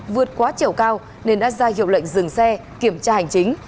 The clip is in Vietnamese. vượt quá chiều cao nên đã ra hiệu lệnh dừng xe kiểm tra hành chính